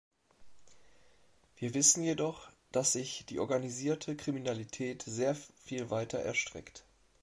Wir wissen jedoch, dass sich die organisierte Kriminalität sehr viel weiter erstreckt.